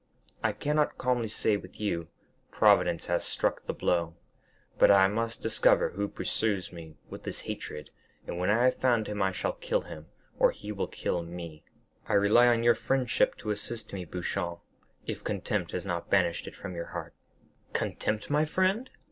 I cannot calmly say with you, 'Providence has struck the blow;' but I must discover who pursues me with this hatred, and when I have found him I shall kill him, or he will kill me. I rely on your friendship to assist me, Beauchamp, if contempt has not banished it from your heart." "Contempt, my friend?